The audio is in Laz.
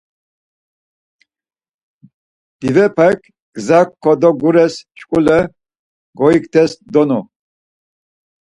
Divepek gza kodogures şuǩule goyktes donu.